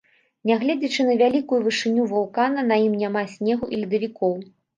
Нягледзячы на вялікую вышыню вулкана на ім няма снегу і ледавікоў.